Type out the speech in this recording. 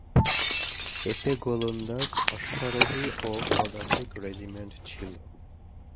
এতে গোলন্দাজ, অশ্বারোহী ও পদাতিক রেজিমেন্ট ছিল।